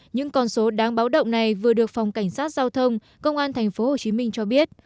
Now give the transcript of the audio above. những con số đáng báo động này vừa được phòng cảnh sát giao thông công an tp hcm cho biết